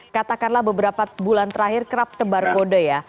katakanlah beberapa bulan terakhir kerap tebar kode ya